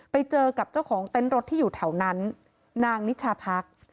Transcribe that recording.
ไปเจอกับเจ้าของเต็นต์รถที่อยู่แถวนั้นนางนิชาพัก